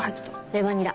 レバニラ。